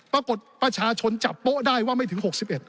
ปรากฏประชาชนจับโป๊ะได้ว่าไม่ถึง๖๑